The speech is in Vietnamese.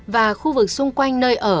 và khu vực xung quanh nơi ở